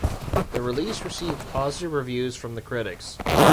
The release received positive reviews from the critics.